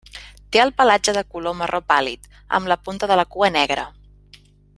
Té el pelatge de color marró pàl·lid, amb la punta de la cua negra.